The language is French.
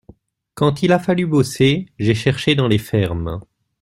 Quand il a fallu bosser, j’ai cherché dans les fermes.